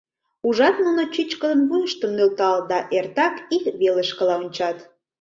— Ужат, нуно чӱчкыдын вуйыштым нӧлталыт да эртак ик велышкыла ончат.